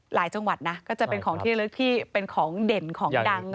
หลายจังหวัดนะก็จะเป็นของที่ระลึกที่เป็นของเด่นของดังของแต่ละจังหวัด